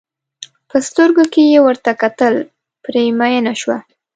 په سترګو کې یې ور کتل پرې مینه شوه.